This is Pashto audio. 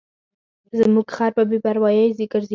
زموږ خر په بې پروایۍ ګرځي.